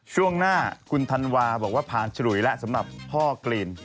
ช่วงหน้าคุณธันวาบอกว่าผ่านฉลุยแล้วสำหรับพ่อกรีน